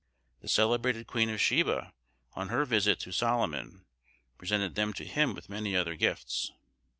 The celebrated Queen of Sheba, on her visit to Solomon, presented them to him with many other gifts.